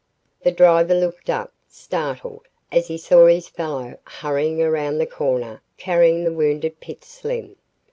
The driver looked up, startled, as he saw his fellow hurry around the corner carrying the wounded Pitts Slim.